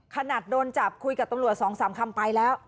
ขนาดโดนจับคุยกับตำรวจ๒๓คำไปแล้ว